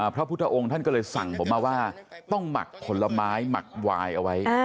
พระพุทธองค์ท่านก็เลยสั่งผมมาว่าต้องหมักผลไม้หมักวายเอาไว้